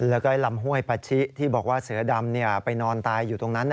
แล้วก็ลำห้วยปาชิที่บอกว่าเสือดำไปนอนตายอยู่ตรงนั้น